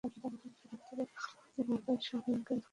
তবু রাত থেকে সকাল অবধি মমতার সঙ্গে কথোপকথনই প্রাণিত রাখে শিল্পীকে।